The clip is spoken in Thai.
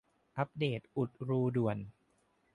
อัปเดตอุดรูด่วน